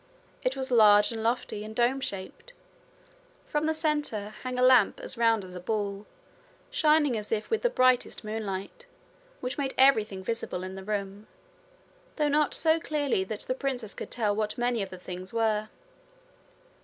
It was large and lofty, and dome shaped. From the centre hung a lamp as round as a ball, shining as if with the brightest moonlight, which made everything visible in the room, though not so clearly that the princess could tell what many of the things were.